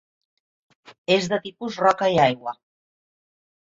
És de tipus roca i aigua.